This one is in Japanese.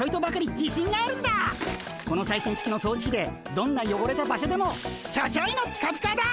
この最新式の掃除機でどんなよごれた場所でもちょちょいのピカピカだ！